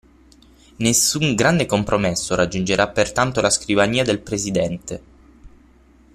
Nessun "grande compromesso" raggiungerà pertanto la scrivania del presidente.